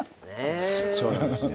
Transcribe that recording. そうなんですね。